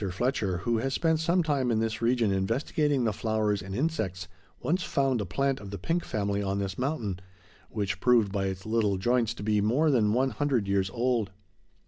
Fletcher, who has spent some time in this region investigating the flowers and insects, once found a plant of the pink family on this mountain, which proved by its little joints to be more than one hundred years old.